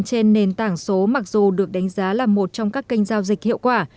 trên nền tảng số mặc dù được đánh giá là một trong các kênh giao dịch hiệu quả